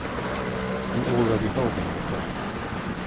You already hold an asset.